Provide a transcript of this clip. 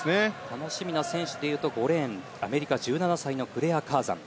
楽しみな選手でいうと５レーンアメリカ、１７歳のクレア・カーザン。